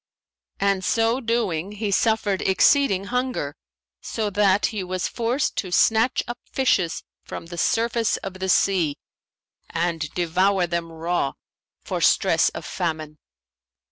And so doing he suffered exceeding hunger, so that he was forced to snatch up fishes from the surface of the sea and devour them raw, for stress of famine.